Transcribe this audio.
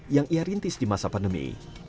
yang ia rintis di masa pandemi